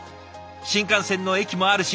新幹線の駅もあるし